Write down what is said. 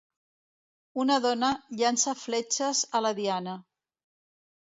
Una dona llança fletxes a la diana.